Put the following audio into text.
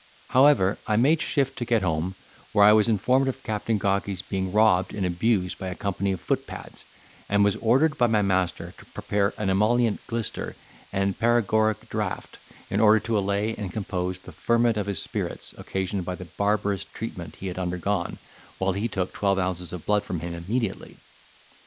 However, I made shift to get home, where I was informed of Captain Gawky's being robbed and abused by a company of footpads, and was ordered by my master to prepare an emollient glyster and paregoric draught, in order to allay and compose the ferment of his spirits, occasioned by the barbarous treatment he had undergone, while he took twelve ounces of blood from him immediately.